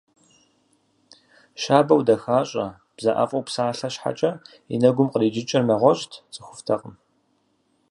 Щабэу дахащӏэ, бзэӏэфӏу псалъэ щхьэкӏэ и нэгум къриджыкӏыр нэгъуэщӏт – цӏыхуфӏтэкъым.